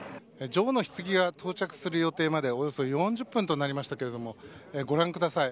女王のひつぎが到着する予定までおよそ４０分となりましたけれどもご覧ください。